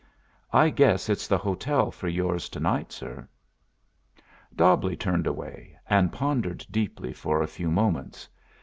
"I guess it's the hotel for yours to night, sir." Dobbleigh turned away, and pondered deeply for a few moments.